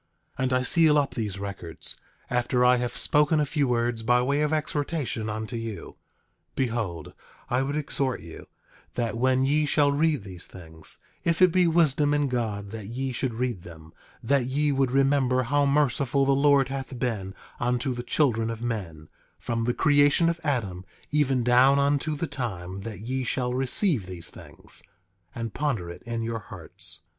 10:2 And I seal up these records, after I have spoken a few words by way of exhortation unto you. 10:3 Behold, I would exhort you that when ye shall read these things, if it be wisdom in God that ye should read them, that ye would remember how merciful the Lord hath been unto the children of men, from the creation of Adam even down unto the time that ye shall receive these things, and ponder it in your hearts.